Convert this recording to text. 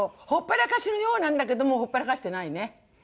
ほっぽらかしのようなんだけどもほっぽらかしてないね。